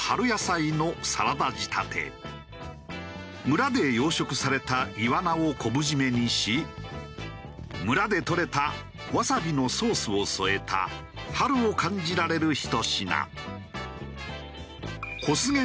村で養殖されたイワナを昆布締めにし村でとれたワサビのソースを添えた春を感じられるひと品。